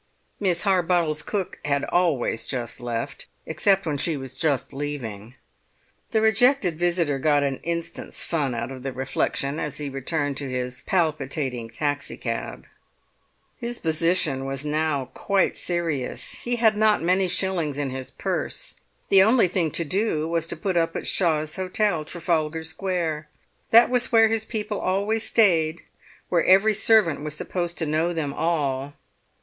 Miss Harbottle's cook had always just left, except when she was just leaving. The rejected visitor got an instant's fun out of the reflection as he returned to his palpitating taxicab. His position was now quite serious. He had not many shillings in his purse. The only thing to do was to put up at Shaw's Hotel, Trafalgar Square; that was where his people always stayed, where every servant was supposed to know them all.